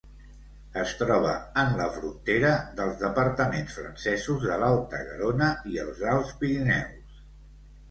Es troba en la frontera dels departaments francesos de l'Alta Garona i els Alts Pirineus.